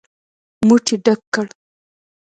موټ يې ډک کړ.